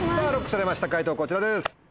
ＬＯＣＫされました解答こちらです。